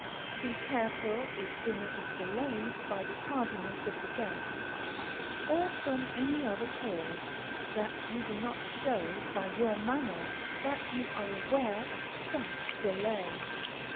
Be careful, if dinner is delayed by the tardiness of the guests, or from any other cause, that you do not show by your manner that you are aware of such delay.